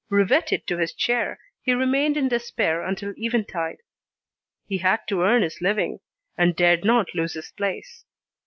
Riveted to his chair, he remained in despair until eventide. He had to earn his living, and dared not lose his place.